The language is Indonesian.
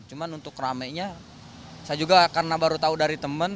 cuman untuk rame nya saya juga karena baru tahu dari temen